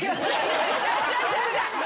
違う違う違う違う。